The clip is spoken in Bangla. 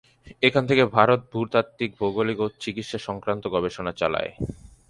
এখান থেকে ভারত ভূতাত্ত্বিক, ভৌগোলিক ও চিকিৎসা-সংক্রান্ত গবেষণা চালায়।